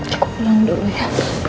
aku pulang dulu ya